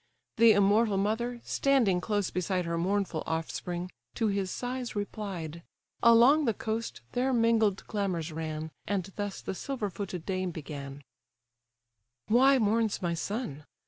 The immortal mother, standing close beside Her mournful offspring, to his sighs replied; Along the coast their mingled clamours ran, And thus the silver footed dame began: "Why mourns my son?